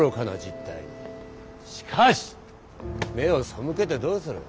しかし目を背けてどうする！